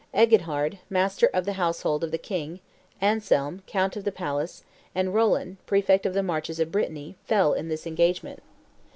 Eginhard, master of the household of the king; Anselm, count of the palace; and Roland, prefect of the marches of Brittany, fell in this engagement.